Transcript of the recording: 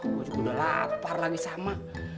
gua juga udah lapar lagi sama